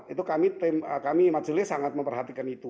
itu kami kami masjidulnya sangat memperhatikan itu